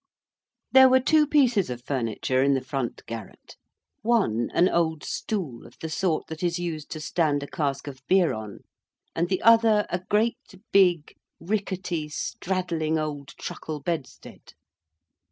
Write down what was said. There were two pieces of furniture in the front garret. One, an old stool of the sort that is used to stand a cask of beer on; and the other a great big ricketty straddling old truckle bedstead.